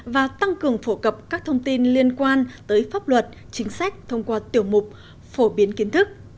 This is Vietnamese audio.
và tăng cường phổ cập các thông tin liên quan tới pháp luật chính sách thông qua tiểu mục phổ biến kiến thức